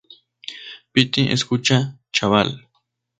piti, escucha, chaval.